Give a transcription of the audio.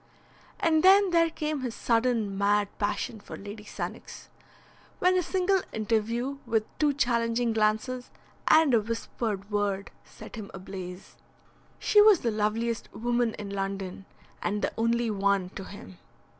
And then there came his sudden mad passion for Lady Sannox, when a single interview with two challenging glances and a whispered word set him ablaze. She was the loveliest woman in London, and the only one to him.